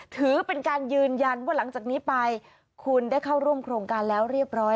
ถือเป็นการยืนยันว่าหลังจากนี้ไปคุณได้เข้าร่วมโครงการแล้วเรียบร้อย